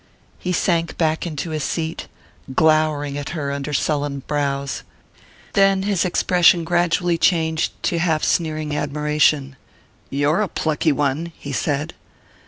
He sank back into his seat, glowering at her under sullen brows; then his expression gradually changed to half sneering admiration. "You're a plucky one!" he said.